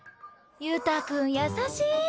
由太君優しい。